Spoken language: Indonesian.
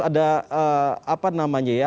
ada apa namanya ya